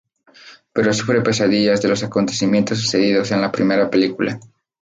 Pero sufre pesadillas de los acontecimientos sucedidos en la primera película.